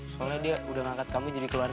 soalnya dia udah ngangkat kamu jadi keluar